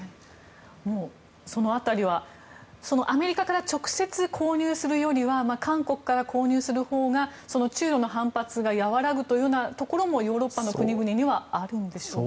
その辺りはアメリカから直接購入するよりは韓国から購入するほうが中ロの反発が和らぐというところもヨーロッパの国々にはあるんでしょうか？